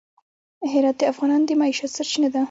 هرات د افغانانو د معیشت سرچینه ده.